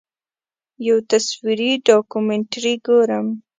یو تصویري ډاکومنټري ګورم.